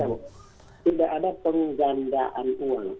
tidak ada penggandaan uang